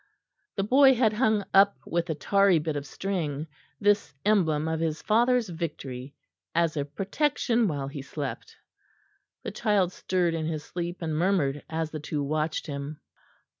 The boy had hung up with a tarry bit of string this emblem of his father's victory, as a protection while he slept. The child stirred in his sleep and murmured as the two watched him.